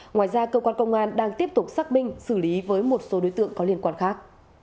ngoài ra cơ quan công an đang tiếp tục xác minh xử lý với một số đối tượng có liên quan khác